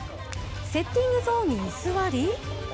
セッティングゾーンに居座り。